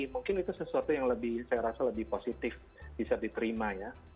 mungkin itu sesuatu yang lebih saya rasa lebih positif bisa diterima ya